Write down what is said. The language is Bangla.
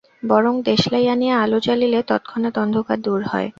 বরং দেশলাই আনিয়া আলো জ্বালিলে তৎক্ষণাৎ অন্ধকার দূর হয়।